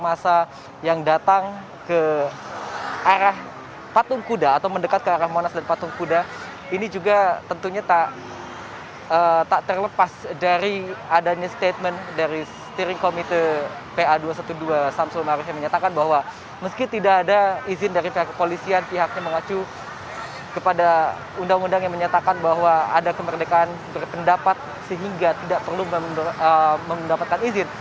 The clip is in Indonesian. masa yang datang ke arah patung kuda atau mendekat ke arah monas dan patung kuda ini juga tentunya tak terlepas dari adanya statement dari steering committee pa dua ratus dua belas samsul maruf yang menyatakan bahwa meski tidak ada izin dari pihak kepolisian pihaknya mengacu kepada undang undang yang menyatakan bahwa ada kemerdekaan berpendapat sehingga tidak perlu mendapatkan izin